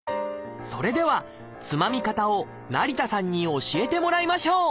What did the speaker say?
それではつまみ方を成田さんに教えてもらいましょう！